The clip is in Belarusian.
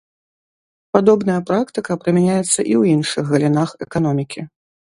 Падобная практыка прымяняецца і ў іншых галінах эканомікі.